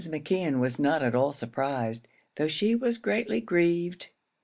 McKeon was not at all surprised, though she was greatly grieved.